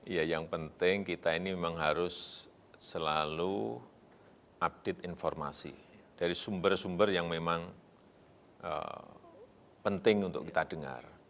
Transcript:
ya yang penting kita ini memang harus selalu update informasi dari sumber sumber yang memang penting untuk kita dengar